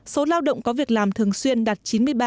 số lao động có việc làm thường xuyên đạt chín mươi ba